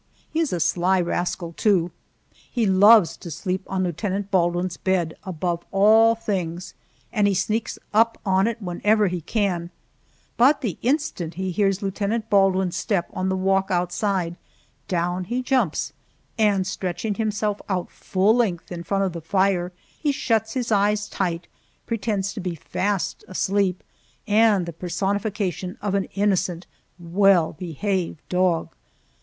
He is a sly rascal, too. He loves to sleep on Lieutenant Baldwin's bed above all things, and he sneaks up on it whenever he can, but the instant he hears Lieutenant Baldwin's step on the walk outside, down he jumps, and stretching himself out full length in front of the fire, he shuts his eyes tight, pretends to be fast asleep, and the personification of an innocent, well behaved dog!